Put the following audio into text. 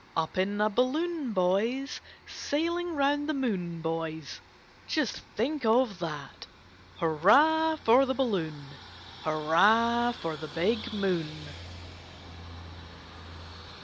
' Up in a balloon, boys. Sailing round the moon, boys.' Just think of that ! Hurrah for the balloon ! Hurrah for the big moon